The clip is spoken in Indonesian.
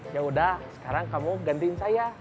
yaudah sekarang kamu gantiin saya